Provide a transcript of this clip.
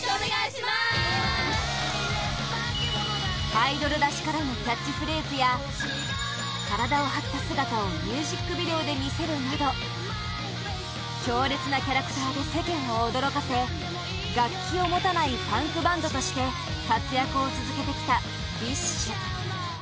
アイドルらしからぬキャッチフレーズや体を張った姿をミュージックビデオで見せるなど強烈なキャラクターで世間を驚かせ楽器を持たないパンクバンドとして活躍を続けてきた ＢｉＳＨ